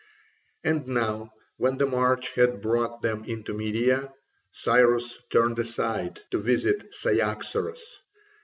And now when the march had brought them into Media, Cyrus turned aside to visit Cyaxares.